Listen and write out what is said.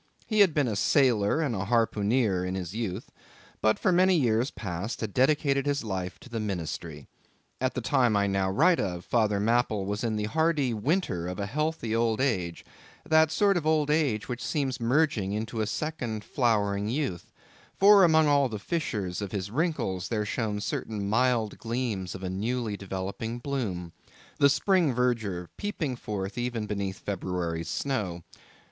He had been a sailor and a harpooneer in his youth, but for many years past had dedicated his life to the ministry. At the time I now write of, Father Mapple was in the hardy winter of a healthy old age; that sort of old age which seems merging into a second flowering youth, for among all the fissures of his wrinkles, there shone certain mild gleams of a newly developing bloom—the spring verdure peeping forth even beneath February's snow.